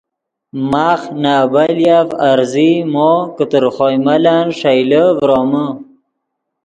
ماخ نے ابیلیف عرضی مو کہ تر خوئے ملن ݰئیلے فرومے